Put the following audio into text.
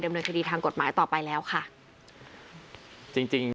เนินคดีทางกฎหมายต่อไปแล้วค่ะจริงจริง